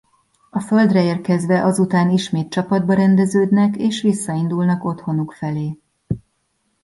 A földre érkezve azután ismét csapatba rendeződnek és visszaindulnak otthonuk felé.